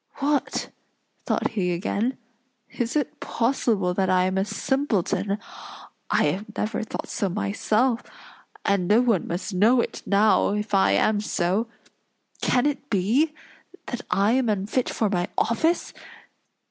"What!" thought he again. "Is it possible that I am a simpleton? I have never thought so myself; and no one must know it now if I am so. Can it be, that I am unfit for my office?